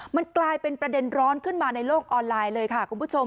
มันกลายเป็นประเด็นร้อนขึ้นมาในโลกออนไลน์เลยค่ะคุณผู้ชม